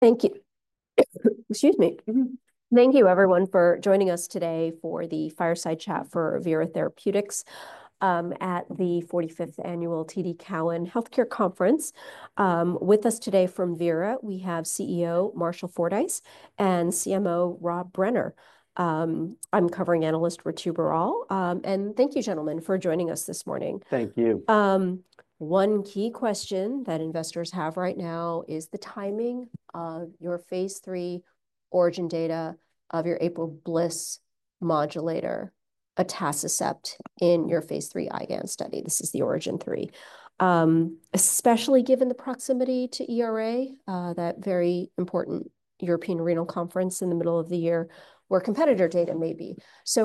Thank you. Excuse me. Thank you, everyone, for joining us today for the fireside chat for Vera Therapeutics at the 45th Annual TD Cowen Healthcare Conference. With us today from Vera, we have CEO Marshall Fordyce and CMO Rob Brenner. I'm covering analyst Ritu Baral, and thank you, gentlemen, for joining us this morning. Thank you. One key question that investors have right now is the timing of your phase III ORIGIN data of your APRIL/BLyS modulator, atacicept, in your phase III IgAN study. This is the ORIGIN 3, especially given the proximity to ERA, that very important European renal conference in the middle of the year, where competitor data may be.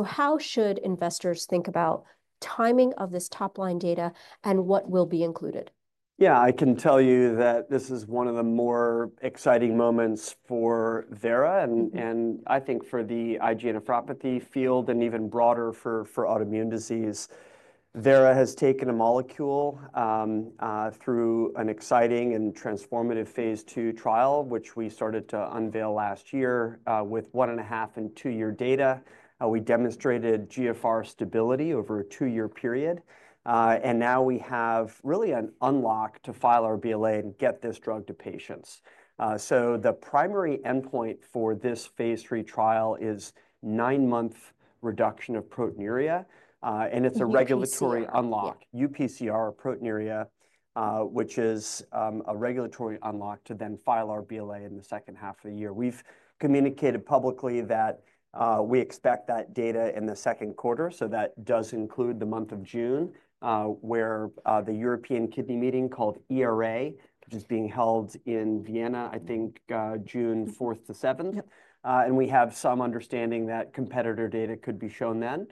How should investors think about timing of this top line data and what will be included? Yeah, I can tell you that this is one of the more exciting moments for Vera, and I think for the IgA nephropathy field, and even broader for autoimmune disease. Vera has taken a molecule through an exciting and transformative phase II trial, which we started to unveil last year with one and a half and two year data. We demonstrated GFR stability over a two year period. Now we have really an unlock to file our BLA and get this drug to patients. The primary endpoint for this phase III trial is nine month reduction of proteinuria. It's a regulatory unlock, UPCR, proteinuria, which is a regulatory unlock to then file our BLA in the 2nd half of the year. We've communicated publicly that we expect that data in the second quarter. That does include the month of June, where the European kidney meeting called ERA, which is being held in Vienna, I think June 4th-7th. We have some understanding that competitor data could be shown then.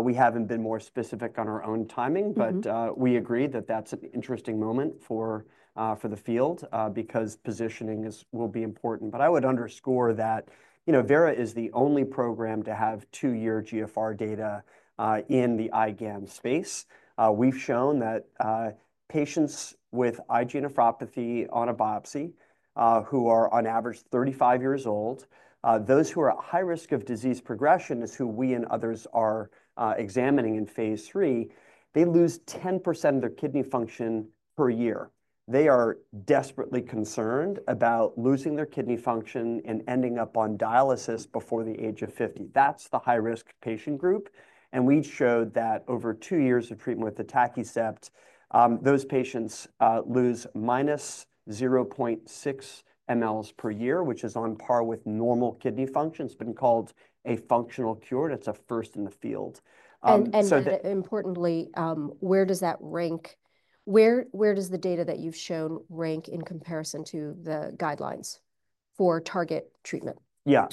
We haven't been more specific on our own timing, but we agree that that's an interesting moment for the field because positioning will be important. I would underscore that, you know, Vera is the only program to have two year GFR data in the IgAN space. We've shown that patients with IgA nephropathy on a biopsy who are on average 35 years old, those who are at high risk of disease progression is who we and others are examining in phase III, they lose 10% of their kidney function per year. They are desperately concerned about losing their kidney function and ending up on dialysis before the age of 50. That's the high risk patient group. We showed that over two years of treatment with atacicept, those patients lose minus 0.6 mL per year, which is on par with normal kidney function. It's been called a functional cure. That's a first in the field. Importantly, where does that rank? Where does the data that you've shown rank in comparison to the guidelines for target treatment? Yeah,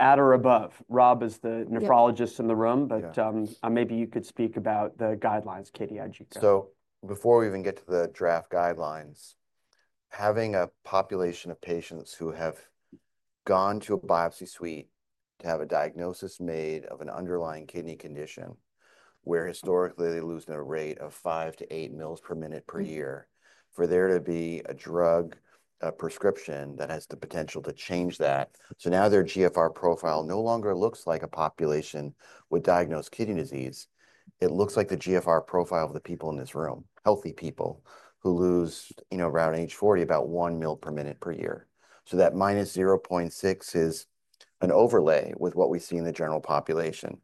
at or above. Rob is the nephrologist in the room, but maybe you could speak about the guidelines, Before we even get to the draft guidelines, having a population of patients who have gone to a biopsy suite to have a diagnosis made of an underlying kidney condition, where historically they lose their rate of 5 to 8 mL per minute per year, for there to be a drug, a prescription that has the potential to change that. Now their GFR profile no longer looks like a population with diagnosed kidney disease. It looks like the GFR profile of the people in this room, healthy people who lose, you know, around age 40, about 1 mL per minute per year. That minus 0.6 is an overlay with what we see in the general population.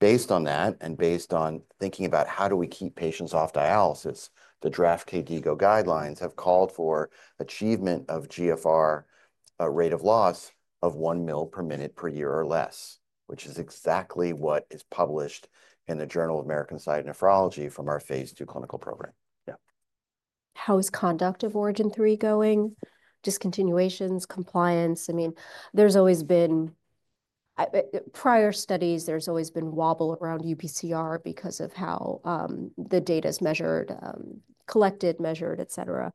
Based on that and based on thinking about how do we keep patients off dialysis, the draft KDIGO guidelines have called for achievement of GFR rate of loss of 1 mL per minute per year or less, which is exactly what is published in the Journal of the American Society of Nephrology from our phase II clinical program. Yeah. How is conduct of ORIGIN 3 going? Discontinuations, compliance? I mean, there's always been prior studies, there's always been wobble around UPCR because of how the data is measured, collected, measured, et cetera.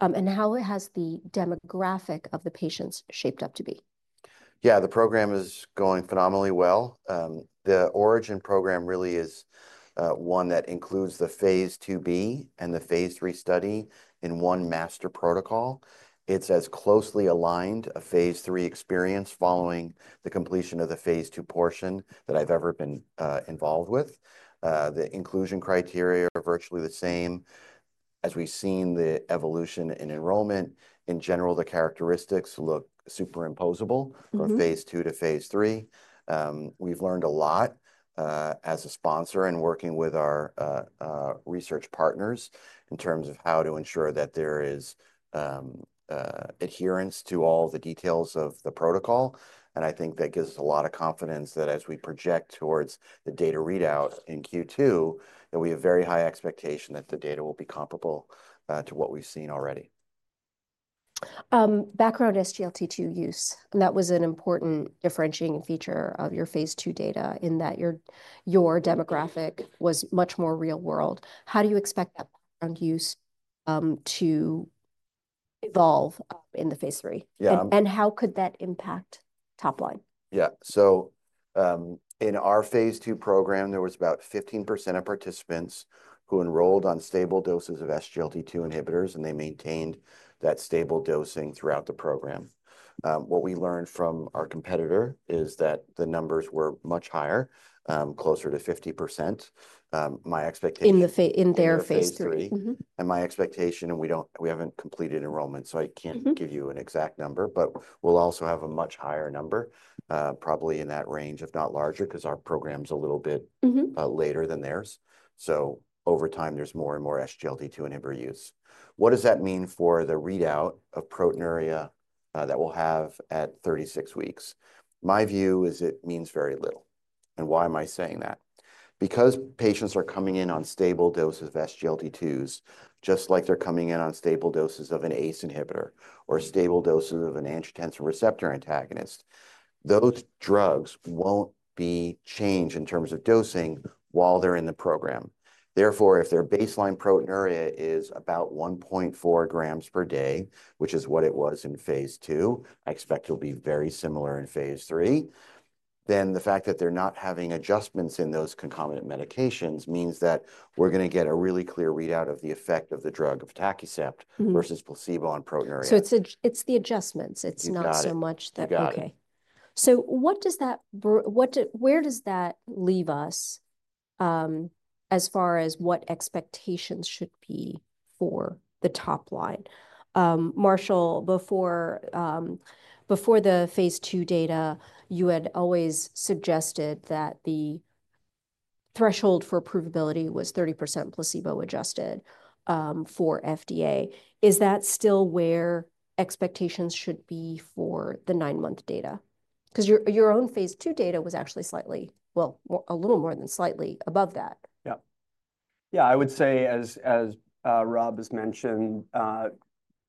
How has the demographic of the patients shaped up to be? Yeah, the program is going phenomenally well. The ORIGIN program really is one that includes the phase II-B and the phase III study in one master protocol. It's as closely aligned a phase III experience following the completion of the phase II portion that I've ever been involved with. The inclusion criteria are virtually the same. As we've seen the evolution in enrollment, in general, the characteristics look superimposable from phase II to phase III. We've learned a lot as a sponsor and working with our research partners in terms of how to ensure that there is adherence to all the details of the protocol. I think that gives us a lot of confidence that as we project towards the data readout in Q2, we have very high expectations that the data will be comparable to what we've seen already. Background SGLT2 use, that was an important differentiating feature of your phase II data in that your demographic was much more real world. How do you expect that use to evolve in the phase III? How could that impact top line? Yeah, so in our phase II program, there was about 15% of participants who enrolled on stable doses of SGLT2 inhibitors, and they maintained that stable dosing throughout the program. What we learned from our competitor is that the numbers were much higher, closer to 50%. My expectation. In their phase III. In their phase III. My expectation, and we haven't completed enrollment, so I can't give you an exact number, but we'll also have a much higher number, probably in that range, if not larger, because our program's a little bit later than theirs. Over time, there's more and more SGLT2 inhibitor use. What does that mean for the readout of proteinuria that we'll have at 36 weeks? My view is it means very little. Why am I saying that? Because patients are coming in on stable doses of SGLT2s, just like they're coming in on stable doses of an ACE inhibitor or stable doses of an angiotensin receptor antagonist. Those drugs won't be changed in terms of dosing while they're in the program. Therefore, if their baseline proteinuria is about 1.4 g per day, which is what it was in phase II, I expect it'll be very similar in phase III . The fact that they're not having adjustments in those concomitant medications means that we're going to get a really clear readout of the effect of the drug of atacicept versus placebo on proteinuria. It's the adjustments. It's not so much that. Exactly. Okay. So what does that, where does that leave us as far as what expectations should be for the top line? Marshall, before the phase II data, you had always suggested that the threshold for provability was 30% placebo adjusted for FDA. Is that still where expectations should be for the nine month data? Because your own phase II data was actually slightly, well, a little more than slightly above that. Yeah. Yeah, I would say, as Rob has mentioned,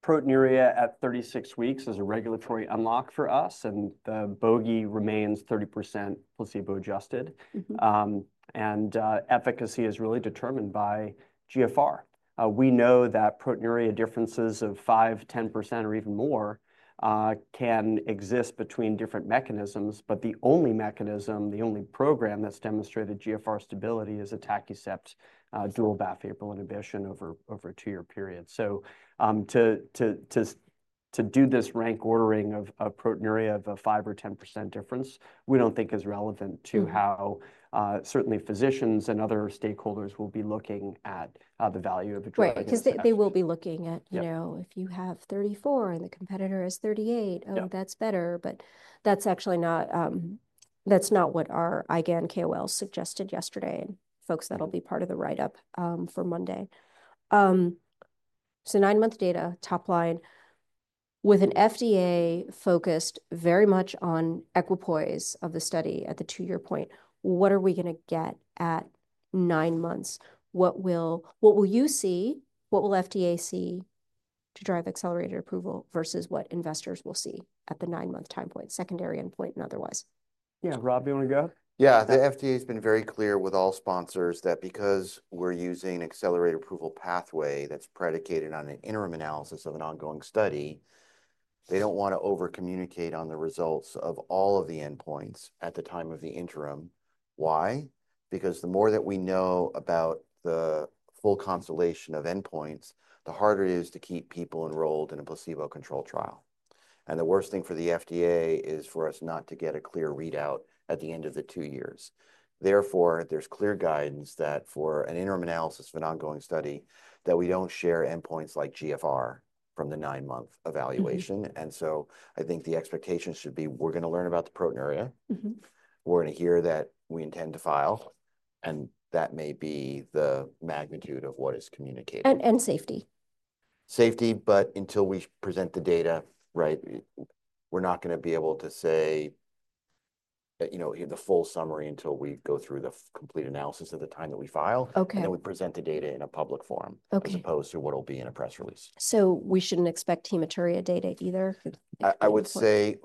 proteinuria at 36 weeks is a regulatory unlock for us. The bogey remains 30% placebo adjusted. Efficacy is really determined by eGFR. We know that proteinuria differences of 5%, 10%, or even more can exist between different mechanisms. The only mechanism, the only program that's demonstrated GFR stability is atacicept dual BAFF/APRIL inhibition over a two year period. To do this rank ordering of proteinuria of a 5% or 10% difference, we do not think is relevant to how certainly physicians and other stakeholders will be looking at the value of a drug. Right, because they will be looking at, you know, if you have 34 and the competitor is 38, oh, that's better. That's actually not, that's not what our IgAN KOL suggested yesterday. Folks, that'll be part of the write-up for Monday. Nine month data top line, with an FDA focused very much on equipoise of the study at the two year point, what are we going to get at nine months? What will you see? What will FDA see to drive accelerated approval versus what investors will see at the nine month time point, secondary endpoint and otherwise? Yeah, Rob, do you want to go? Yeah, the FDA has been very clear with all sponsors that because we're using accelerated approval pathway that's predicated on an interim analysis of an ongoing study, they don't want to overcommunicate on the results of all of the endpoints at the time of the interim. Why? Because the more that we know about the full constellation of endpoints, the harder it is to keep people enrolled in a placebo controlled trial. The worst thing for the FDA is for us not to get a clear readout at the end of the two years. Therefore, there's clear guidance that for an interim analysis of an ongoing study, that we don't share endpoints like GFR from the nine month evaluation. I think the expectation should be we're going to learn about the proteinuria. We're going to hear that we intend to file. That may be the magnitude of what is communicated. And safety. Safety, but until we present the data, right, we're not going to be able to say, you know, the full summary until we go through the complete analysis at the time that we file. We present the data in a public forum, as opposed to what will be in a press release. We shouldn't expect hematuria data either? I would say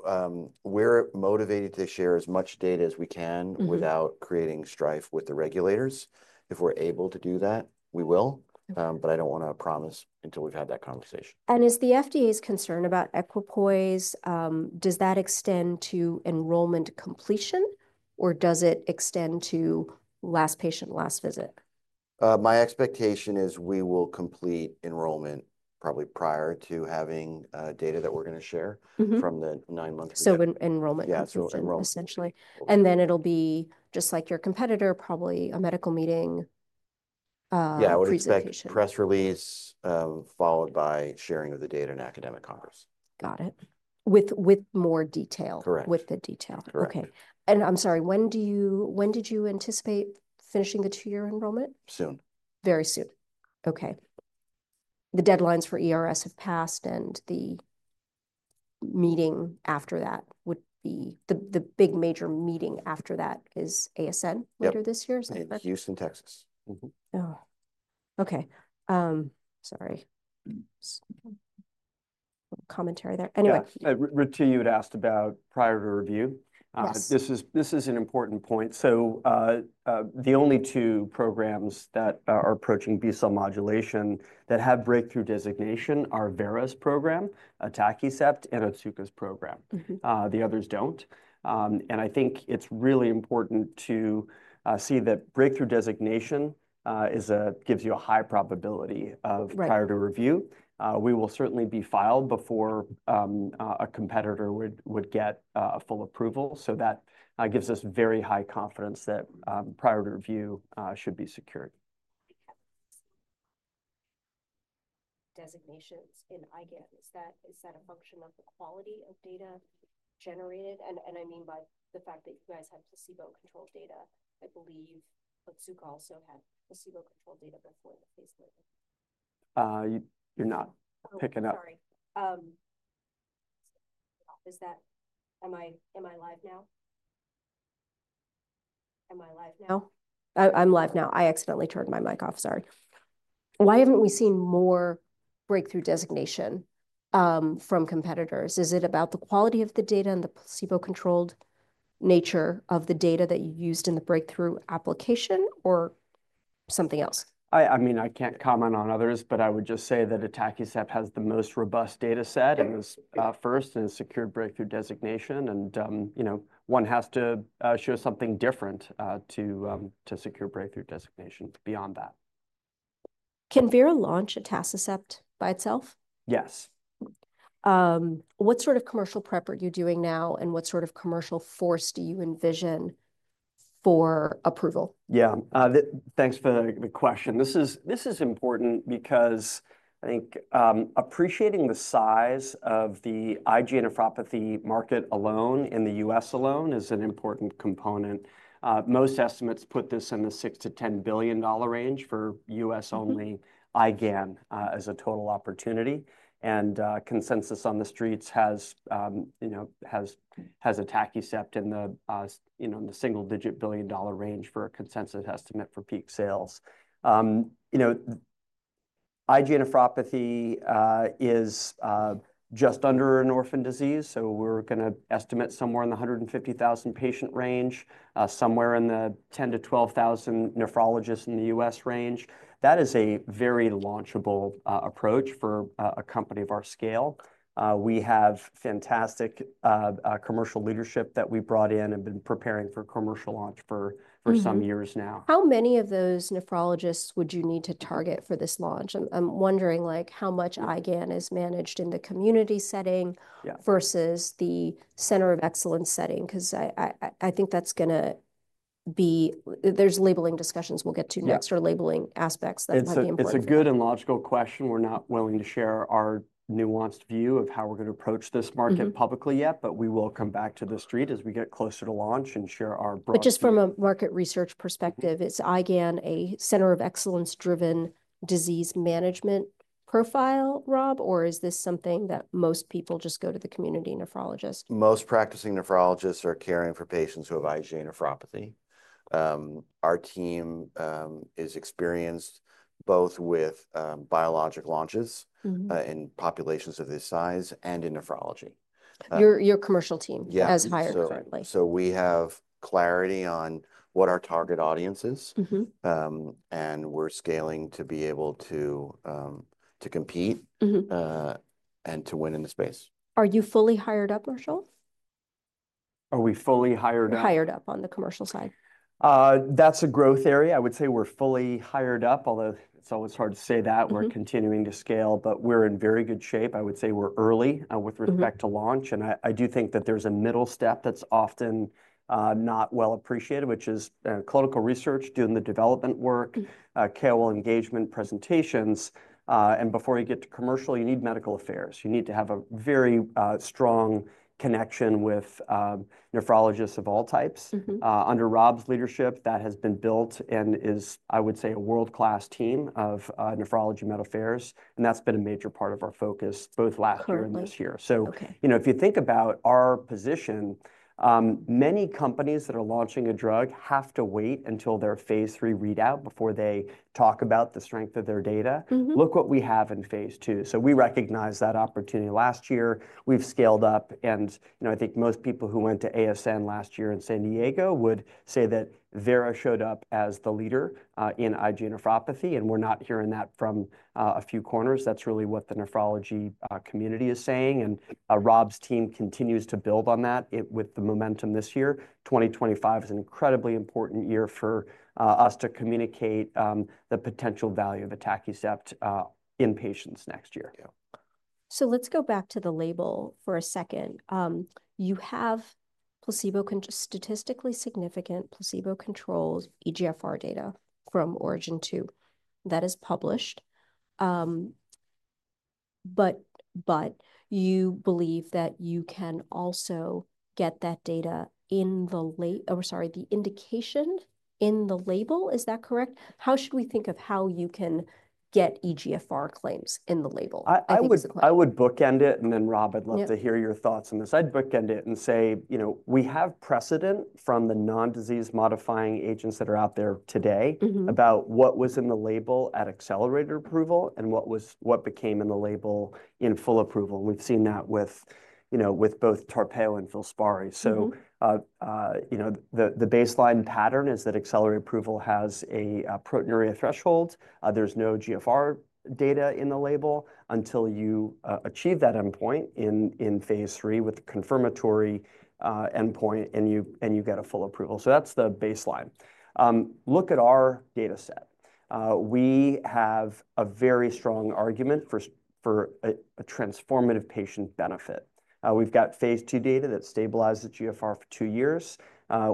we're motivated to share as much data as we can without creating strife with the regulators. If we're able to do that, we will. I don't want to promise until we've had that conversation. Is the FDA's concern about equipoise, does that extend to enrollment completion, or does it extend to last patient, last visit? My expectation is we will complete enrollment probably prior to having data that we're going to share from the nine month. So enrollment. Yeah, through enrollment. Essentially. It will be just like your competitor, probably a medical meeting. Yeah, it would expect press release followed by sharing of the data in academic congress. Got it. With more detail. Correct. With the detail. Correct. Okay. I'm sorry, when did you anticipate finishing the two year enrollment? Soon. Very soon. Okay. The deadlines for ERA have passed and the meeting after that would be the big major meeting after that is ASN later this year, isn't it? Yes, it's Houston, Texas. Oh, okay. Sorry. Commentary there. Anyway. Ritu, you had asked about priority review. This is an important point. The only two programs that are approaching B-cell modulation that have breakthrough designation are Vera's program, atacicept, and Otsuka's program. The others do not. I think it is really important to see that breakthrough designation gives you a high probability of priority review. We will certainly be filed before a competitor would get full approval. That gives us very high confidence that priority review should be secured. Designations in IgAN, is that a function of the quality of data generated? I mean by the fact that you guys have placebo controlled data, I believe Otsuka also had placebo controlled data before the phase III. You're not picking up. Sorry. Am I live now? Am I live now? I'm live now. I accidentally turned my mic off, sorry. Why haven't we seen more breakthrough designation from competitors? Is it about the quality of the data and the placebo controlled nature of the data that you used in the breakthrough application or something else? I mean, I can't comment on others, but I would just say that atacicept has the most robust data set and is first in secured breakthrough designation. You know, one has to show something different to secure breakthrough designation beyond that. Can Vera launch atacicept by itself? Yes. What sort of commercial prep are you doing now and what sort of commercial force do you envision for approval? Yeah, thanks for the question. This is important because I think appreciating the size of the IgA nephropathy market alone in the U.S. alone is an important component. Most estimates put this in the $6 billion-$10 billion range for U.S. only IgAN as a total opportunity. And consensus on the streets has atacicept in the single digit billion dollar range for a consensus estimate for peak sales. You know, IgA nephropathy is just under an orphan disease. So we're going to estimate somewhere in the 150,000 patient range, somewhere in the 10,000-12,000 nephrologists in the U.S. range. That is a very launchable approach for a company of our scale. We have fantastic commercial leadership that we brought in and have been preparing for commercial launch for some years now. How many of those nephrologists would you need to target for this launch? I'm wondering like how much IgAN is managed in the community setting versus the center of excellence setting because I think that's going to be, there's labeling discussions we'll get to next or labeling aspects that might be important. It's a good and logical question. We're not willing to share our nuanced view of how we're going to approach this market publicly yet, but we will come back to the street as we get closer to launch and share our broader. Just from a market research perspective, is IgAN a center of excellence driven disease management profile, Rob, or is this something that most people just go to the community nephrologist? Most practicing nephrologists are caring for patients who have IgA nephropathy. Our team is experienced both with biologic launches in populations of this size and in nephrology. Your commercial team has hired currently. We have clarity on what our target audience is. We're scaling to be able to compete and to win in the space. Are you fully hired up, Marshall? Are we fully hired up? Hired up on the commercial side. That's a growth area. I would say we're fully hired up, although it's always hard to say that. We're continuing to scale, but we're in very good shape. I would say we're early with respect to launch. I do think that there's a middle step that's often not well appreciated, which is clinical research doing the development work, KOL engagement presentations. Before you get to commercial, you need medical affairs. You need to have a very strong connection with nephrologists of all types. Under Rob's leadership, that has been built and is, I would say, a world-class team of nephrology med affairs. That's been a major part of our focus both last year and this year. You know, if you think about our position, many companies that are launching a drug have to wait until their phase III readout before they talk about the strength of their data. Look what we have in phase II. We recognize that opportunity last year. We've scaled up. I think most people who went to ASN last year in San Diego would say that Vera showed up as the leader in IgA nephropathy. We're not hearing that from a few corners. That's really what the nephrology community is saying. Rob's team continues to build on that with the momentum this year. 2025 is an incredibly important year for us to communicate the potential value of atacicept in patients next year. Let's go back to the label for a second. You have statistically significant placebo-controlled eGFR data from ORIGIN 2 that is published. But you believe that you can also get that data in the, or sorry, the indication in the label, is that correct? How should we think of how you can get eGFR claims in the label? I would bookend it. And then Rob, I'd love to hear your thoughts on this. I'd bookend it and say, you know, we have precedent from the non-disease modifying agents that are out there today about what was in the label at accelerated approval and what became in the label in full approval. We've seen that with, you know, with both TARPEYO and FILSPARI. You know, the baseline pattern is that accelerated approval has a proteinuria threshold. There's no GFR data in the label until you achieve that endpoint in phase III with the confirmatory endpoint and you get a full approval. That's the baseline. Look at our data set. We have a very strong argument for a transformative patient benefit. We've got phase II data that stabilizes GFR for two years.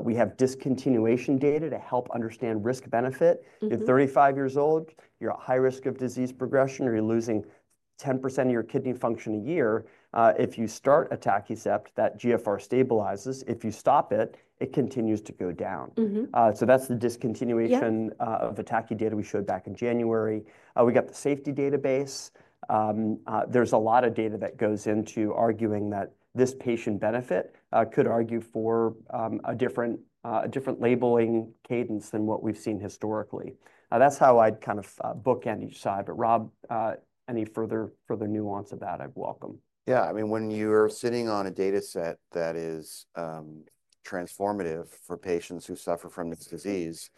We have discontinuation data to help understand risk benefit. If 35 years old, you're at high risk of disease progression or you're losing 10% of your kidney function a year, if you start atacicept, that GFR stabilizes. If you stop it, it continues to go down. That's the discontinuation of atacicept data we showed back in January. We got the safety database. There's a lot of data that goes into arguing that this patient benefit could argue for a different labeling cadence than what we've seen historically. That's how I'd kind of bookend each side. Rob, any further nuance of that, I'd welcome. Yeah, I mean, when you're sitting on a data set that is transformative for patients who suffer from this disease,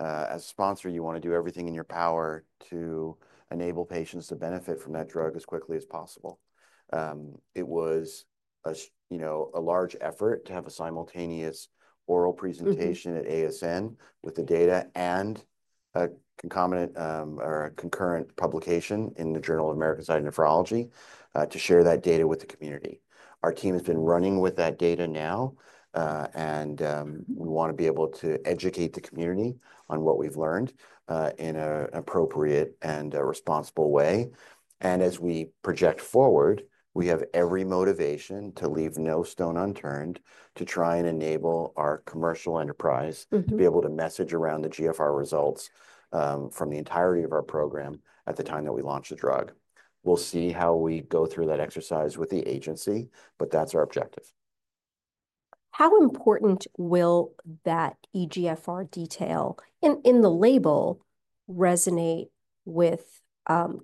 as a sponsor, you want to do everything in your power to enable patients to benefit from that drug as quickly as possible. It was a large effort to have a simultaneous oral presentation at ASN with the data and a concurrent publication in the Journal of the American Society of Nephrology to share that data with the community. Our team has been running with that data now. We want to be able to educate the community on what we've learned in an appropriate and responsible way. As we project forward, we have every motivation to leave no stone unturned to try and enable our commercial enterprise to be able to message around the GFR results from the entirety of our program at the time that we launch the drug. We'll see how we go through that exercise with the agency, but that's our objective. How important will that eGFR detail in the label resonate with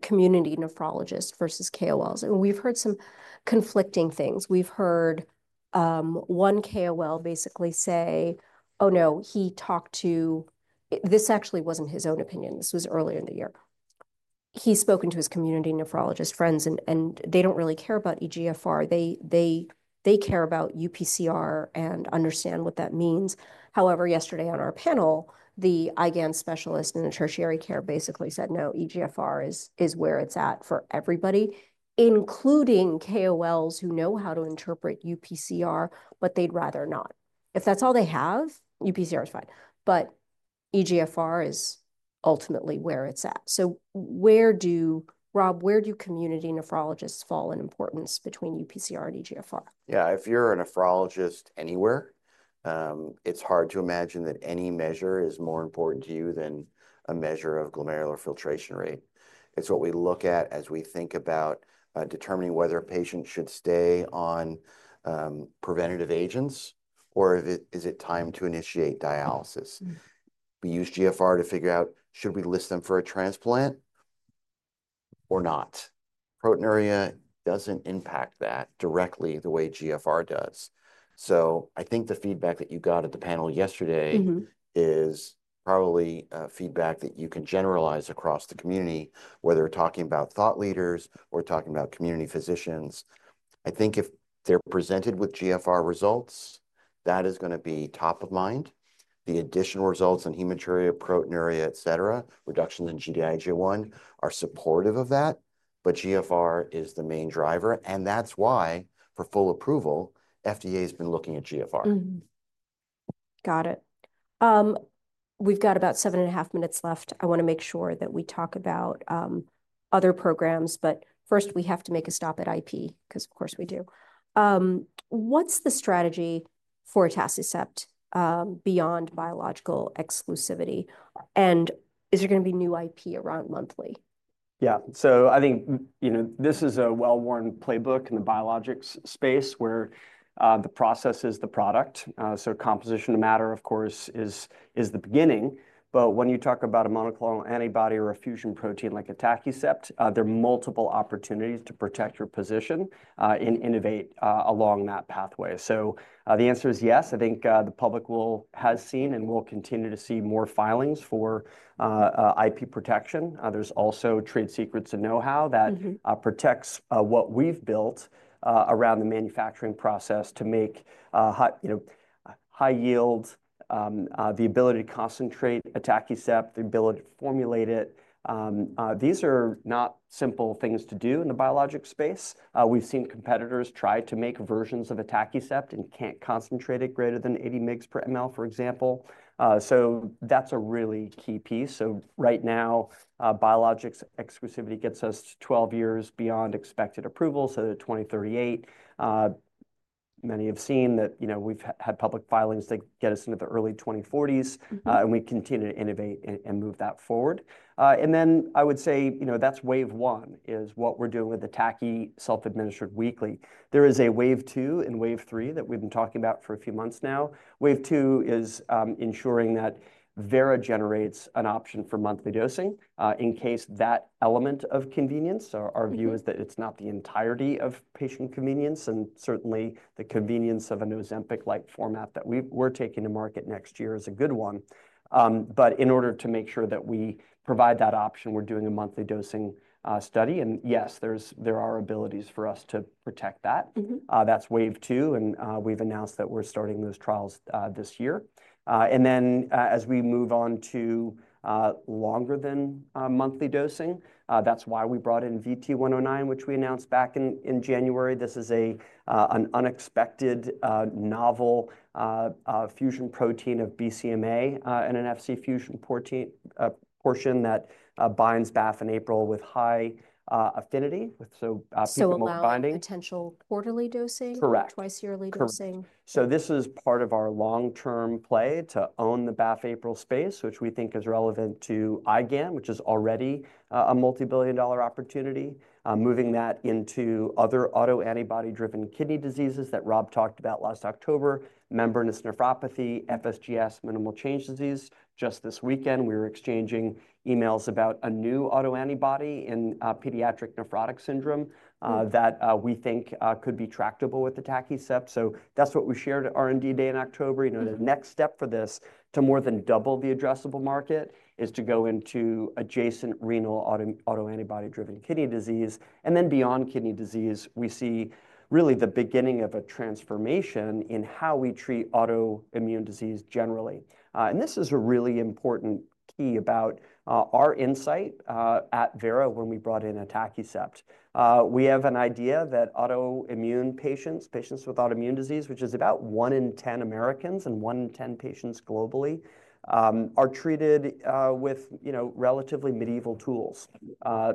community nephrologists versus KOLs? We've heard some conflicting things. We've heard one KOL basically say, "Oh no, he talked to," this actually wasn't his own opinion. This was earlier in the year. He's spoken to his community nephrologist friends and they don't really care about eGFR. They care about UPCR and understand what that means. However, yesterday on our panel, the IgAN specialist in the tertiary care basically said, "No, eGFR is where it's at for everybody, including KOLs who know how to interpret UPCR, but they'd rather not." If that's all they have, UPCR is fine. eGFR is ultimately where it's at. Where do, Rob, where do community nephrologists fall in importance between UPCR and eGFR? Yeah, if you're a nephrologist anywhere, it's hard to imagine that any measure is more important to you than a measure of glomerular filtration rate. It's what we look at as we think about determining whether a patient should stay on preventative agents or is it time to initiate dialysis. We use GFR to figure out should we list them for a transplant or not. Proteinuria doesn't impact that directly the way GFR does. I think the feedback that you got at the panel yesterday is probably feedback that you can generalize across the community, whether we're talking about thought leaders or talking about community physicians. I think if they're presented with GFR results, that is going to be top of mind. The additional results in hematuria, proteinuria, et cetera, reductions in Gd-IgA1 are supportive of that. GFR is the main driver. That's why for full approval, FDA has been looking at GFR. Got it. We've got about seven and a half minutes left. I want to make sure that we talk about other programs. First, we have to make a stop at IP because of course we do. What's the strategy for atacicept beyond biological exclusivity? Is there going to be new IP around monthly? Yeah, so I think, you know, this is a well-worn playbook in the biologics space where the process is the product. So composition of matter, of course, is the beginning. But when you talk about a monoclonal antibody or a fusion protein like atacicept, there are multiple opportunities to protect your position and innovate along that pathway. The answer is yes. I think the public has seen and will continue to see more filings for IP protection. There's also trade secrets and know-how that protects what we've built around the manufacturing process to make high yield, the ability to concentrate atacicept, the ability to formulate it. These are not simple things to do in the biologic space. We've seen competitors try to make versions of atacicept and can't concentrate it greater than 80 mg per ml, for example. That's a really key piece. Right now, biologics exclusivity gets us 12 years beyond expected approval. 2038, many have seen that, you know, we've had public filings to get us into the early 2040s. We continue to innovate and move that forward. I would say, you know, that's wave one is what we're doing with atacicept self-administered weekly. There is a wave two and wave three that we've been talking about for a few months now. Wave two is ensuring that Vera generates an option for monthly dosing in case that element of convenience. Our view is that it's not the entirety of patient convenience. Certainly the convenience of an OZEMPIC-like format that we're taking to market next year is a good one. In order to make sure that we provide that option, we're doing a monthly dosing study. Yes, there are abilities for us to protect that. That's wave two. We've announced that we're starting those trials this year. As we move on to longer than monthly dosing, that's why we brought in VT109, which we announced back in January. This is an unexpected novel fusion protein of BCMA and an FC fusion portion that binds BAFF and APRIL with high affinity with soluble binding. Potential quarterly dosing, twice yearly dosing. Correct. This is part of our long-term play to own the BAFF/APRIL space, which we think is relevant to IgA nephropathy, which is already a multi-billion dollar opportunity, moving that into other autoantibody-driven kidney diseases that Rob talked about last October, membranous nephropathy, FSGS, minimal change disease. Just this weekend, we were exchanging emails about a new autoantibody in pediatric nephrotic syndrome that we think could be tractable with atacicept. That is what we shared at R&D day in October. You know, the next step for this to more than double the addressable market is to go into adjacent renal autoantibody-driven kidney disease. Beyond kidney disease, we see really the beginning of a transformation in how we treat autoimmune disease generally. This is a really important key about our insight at Vera when we brought in atacicept. We have an idea that autoimmune patients, patients with autoimmune disease, which is about one in 10 Americans and one in 10 patients globally, are treated with, you know, relatively medieval tools.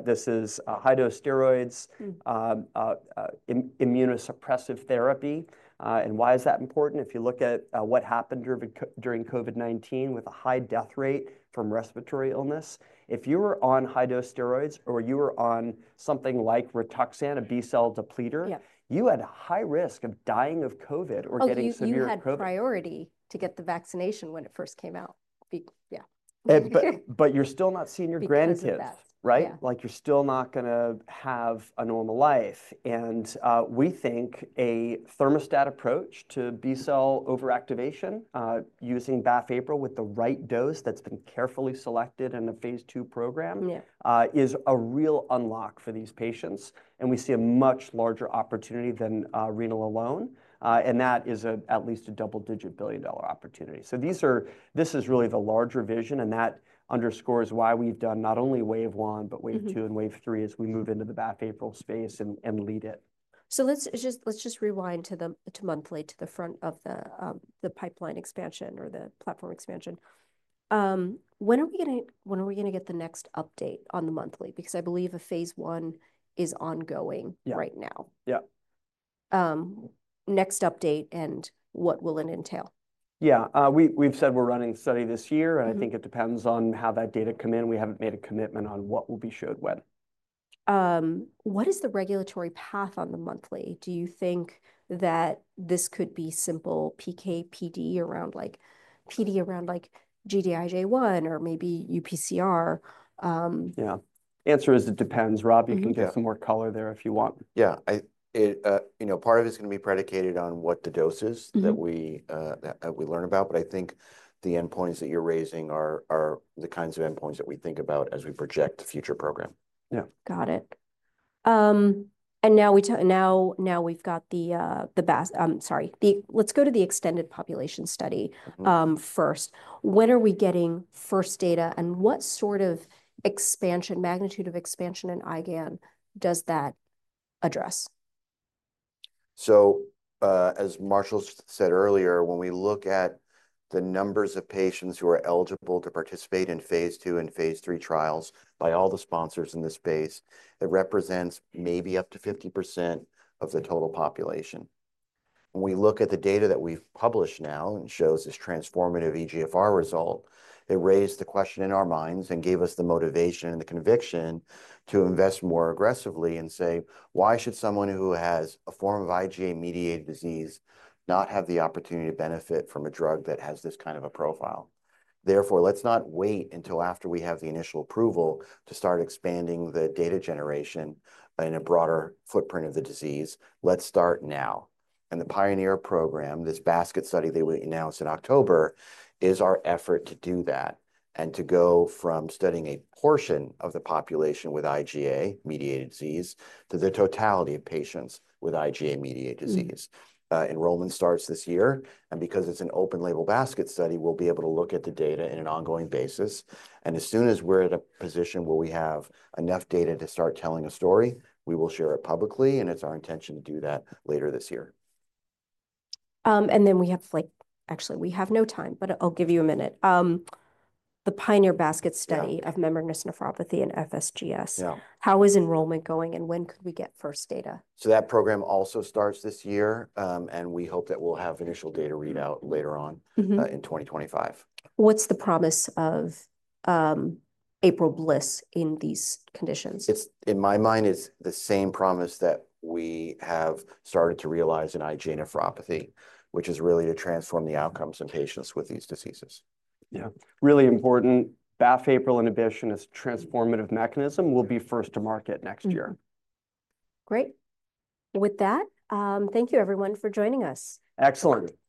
This is high-dose steroids, immunosuppressive therapy. Why is that important? If you look at what happened during COVID-19 with a high death rate from respiratory illness, if you were on high-dose steroids or you were on something like RITUXAN, a B-cell depleter, you had a high risk of dying of COVID or getting severe COVID. Oh, so you had priority to get the vaccination when it first came out. Yeah. You're still not seeing your grandkids, right? Like you're still not going to have a normal life. We think a thermostat approach to B-cell overactivation using BAFF/APRIL with the right dose that's been carefully selected in a phase II program is a real unlock for these patients. We see a much larger opportunity than renal alone. That is at least a double-digit billion-dollar opportunity. This is really the larger vision. That underscores why we've done not only wave one, but wave two and wave three as we move into the BAFF/APRIL space and lead it. Let's just rewind to monthly, to the front of the pipeline expansion or the platform expansion. When are we going to get the next update on the monthly? Because I believe a phase I is ongoing right now. Yeah. Next update and what will it entail? Yeah, we've said we're running the study this year. I think it depends on how that data come in. We haven't made a commitment on what will be showed when. What is the regulatory path on the monthly? Do you think that this could be simple PK, PD around like PD around like Gd-IgA1 or maybe UPCR? Yeah. The answer is it depends, Rob. You can get some more color there if you want. Yeah. You know, part of it is going to be predicated on what the doses that we learn about. I think the endpoints that you're raising are the kinds of endpoints that we think about as we project the future program. Yeah. Got it. Now we've got the, sorry, let's go to the extended population study first. When are we getting first data and what sort of expansion, magnitude of expansion in IgAN does that address? As Marshall said earlier, when we look at the numbers of patients who are eligible to participate in phase II and phase III trials by all the sponsors in this space, it represents maybe up to 50% of the total population. When we look at the data that we've published now and shows this transformative eGFR result, it raised the question in our minds and gave us the motivation and the conviction to invest more aggressively and say, "Why should someone who has a form of IgA-mediated disease not have the opportunity to benefit from a drug that has this kind of a profile?" Therefore, let's not wait until after we have the initial approval to start expanding the data generation and a broader footprint of the disease. Let's start now. The pioneer program, this basket study that we announced in October, is our effort to do that and to go from studying a portion of the population with IgA-mediated disease to the totality of patients with IgA-mediated disease. Enrollment starts this year. Because it's an open-label basket study, we'll be able to look at the data on an ongoing basis. As soon as we're at a position where we have enough data to start telling a story, we will share it publicly. It's our intention to do that later this year. Like, actually, we have no time, but I'll give you a minute. The PIONEER basket study of membranous nephropathy and FSGS, how is enrollment going and when could we get first data? That program also starts this year. We hope that we'll have initial data readout later on in 2025. What's the promise of APRIL/BLyS in these conditions? In my mind, it's the same promise that we have started to realize in IgA nephropathy, which is really to transform the outcomes in patients with these diseases. Yeah. Really important. BAFF/APRIL inhibition is a transformative mechanism. We'll be first to market next year. Great. With that, thank you everyone for joining us. Excellent.